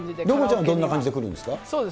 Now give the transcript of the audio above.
涼子ちゃんはどんな感じで来るんですか？